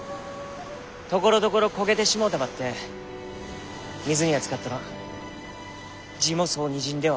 ところどころ焦げてしもうたばってん水にはつかっとらん。